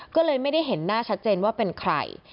ก็เลยไม่ได้เห็นหน้าชัดเจนว่าเป็นใคร